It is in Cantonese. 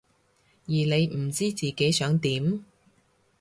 而你唔知自己想點？